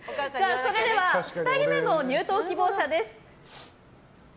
それでは２人目の入党希望者です。